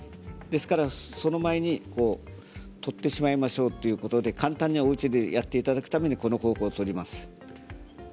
ですからその前に取ってしまいましょうということで簡単におうちでやっていただくためにこの方法を取ります。